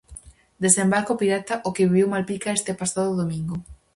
Desembarco pirata o que viviu Malpica este pasado domingo.